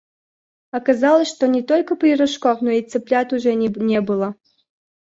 Оказалось, что не только пирожков, но и цыплят уже не было.